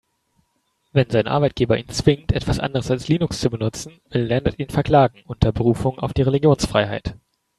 Wenn sein Arbeitgeber ihn zwingt, etwas anderes als Linux zu benutzen, will Lennart ihn verklagen, unter Berufung auf die Religionsfreiheit.